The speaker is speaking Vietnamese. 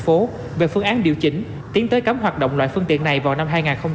phố về phương án điều chỉnh tiến tới cấm hoạt động loại phương tiện này vào năm hai nghìn hai mươi